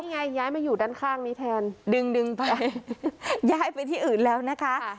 ไงย้ายมาอยู่ด้านข้างนี้แทนดึงดึงไปย้ายไปที่อื่นแล้วนะคะ